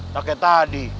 tak kayak tadi